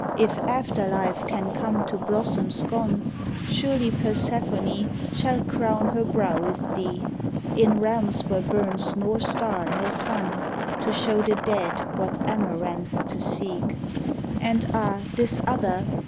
If after life can come to blossoms gone, Surely Persephone Shall crown her brow with thee, In realms where burns nor star nor sun To show the dead what amaranths to seek. And ah — this other!